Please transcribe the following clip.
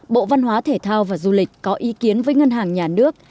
bộ văn hóa thể thao và du lịch có ý kiến với ngân hàng nhà nước